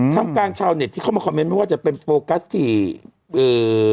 ท่ามการชาวเน็ตที่เข้ามาคอมเมนต์ว่าจะเป็นโปรกัส๔เอ่อ